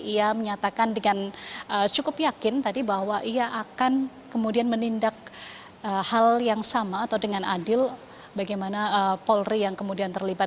ia menyatakan dengan cukup yakin tadi bahwa ia akan kemudian menindak hal yang sama atau dengan adil bagaimana polri yang kemudian terlibat